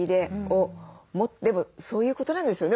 でもそういうことなんですよね。